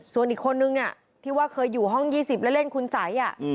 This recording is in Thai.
ส่วนอีกคนนึงเนี่ยที่ว่าเคยอยู่ห้อง๒๐แล้วเล่นคุณสัย